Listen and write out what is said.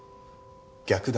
逆だ。